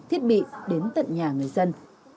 thiết bị đến tận nhà người dân